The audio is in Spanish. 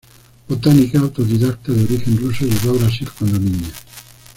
Botánica autodidacta de origen ruso, llegó a Brasil cuando niña.